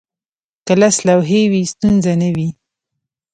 که لس لوحې وي، ستونزه نه وي.